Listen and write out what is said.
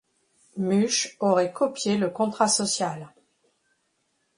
Muche aurait copié le Contrat social.